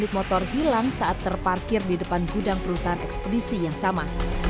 unit motor hilang saat terparkir di depan gudang perusahaan ekspedisi yang sama